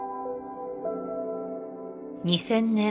２０００年